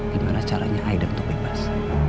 gimana caranya aident untuk bebas